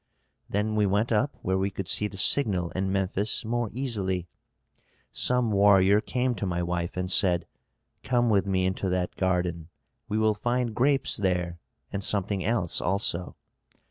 Then we went up where we could see the signal in Memphis more easily. Some warrior came to my wife and said, 'Come with me into that garden. We will find grapes there, and something else also.'